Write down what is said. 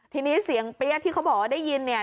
ทีนี้เสียงเปี้ยที่เขาบอกว่าได้ยินเนี่ย